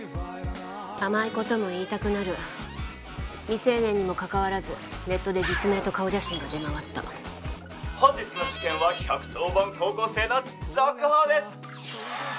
甘いことも言いたくなる未成年にもかかわらずネットで実名と顔写真が出回った本日の事件は１１０番高校生の続報です